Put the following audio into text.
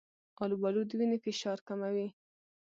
آلوبالو د وینې فشار کموي.